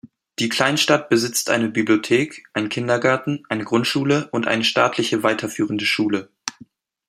Die Kleinstadt besitzt eine Bibliothek, einen Kindergarten, eine Grundschule und eine staatliche weiterführende Schule.